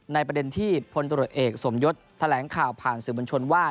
ประเด็นที่พลตรวจเอกสมยศแถลงข่าวผ่านสื่อบัญชนว่า